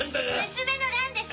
娘の蘭です！